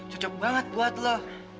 cocok banget buat lo